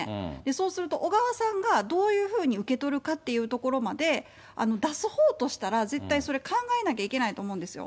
そうすると、小川さんがどういうふうに受け取るかっていうところまで出すほうとしたら、絶対それ、考えなきゃいけないと思うんですよ。